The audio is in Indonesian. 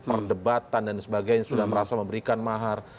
perdebatan dan sebagainya sudah merasa memberikan mahar